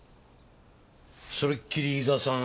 それっきり飯沢さん